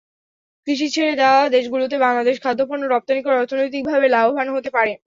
কৃষি ছেড়ে দেওয়া দেশগুলোতে বাংলাদেশ খাদ্যপণ্য রপ্তানি করে অর্থনৈতিকভাবে লাভবান হতে পারে।